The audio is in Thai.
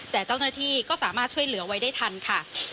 แต่เจ้าหน้าที่ก็สามารถช่วยเหลือไว้ได้ทันค่ะ